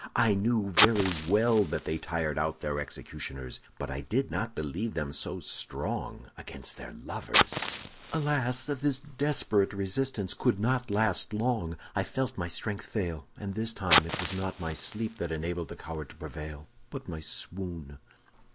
I knew very well that they tired out their executioners, but I did not believe them so strong against their lovers!' "Alas! this desperate resistance could not last long. I felt my strength fail, and this time it was not my sleep that enabled the coward to prevail, but my swoon."